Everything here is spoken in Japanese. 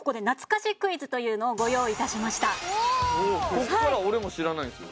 ここからは俺も知らないんですよ。